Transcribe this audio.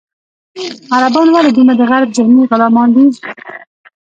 عربان ولې دومره د غرب ذهني غلامان دي.